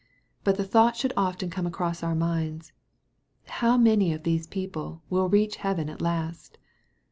But the thought should often come across our minds, " How many of these people will reach heaven at last